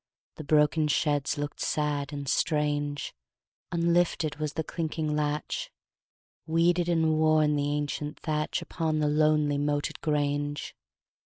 The broken sheds look'd sad and strange: Unlifted was the clinking latch; Weeded and worn the ancient thatch Upon the lonely moated grange.